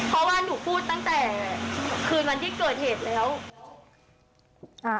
เพราะว่าหนูพูดตั้งแต่คืนวันที่เกิดเหตุแล้วค่ะ